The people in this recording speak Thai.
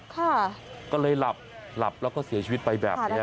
ก็เลยหลับหลับแล้วก็เสียชีวิตไปแบบนี้